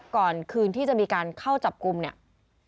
ก่อนคืนที่จะมีการเข้าจับกลุ่มเนี่ย